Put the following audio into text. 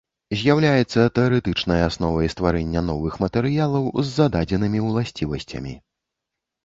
З'яўляецца тэарэтычнай асновай стварэння новых матэрыялаў з зададзенымі ўласцівасцямі.